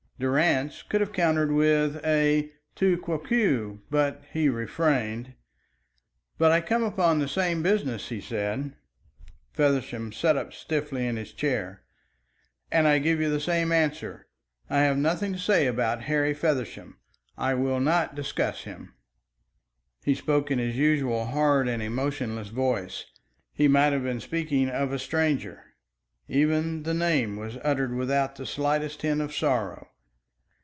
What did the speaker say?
Durrance could have countered with a tu quoque, but he refrained. "But I come upon the same business," he said. Feversham sat up stiffly in his chair. "And I give you the same answer. I have nothing to say about Harry Feversham. I will not discuss him." He spoke in his usual hard and emotionless voice. He might have been speaking of a stranger. Even the name was uttered without the slightest hint of sorrow.